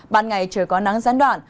ban ngày trời có nắng gián đoạn